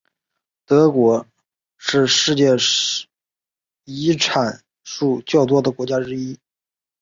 德国是世界遗产数较多的国家之一。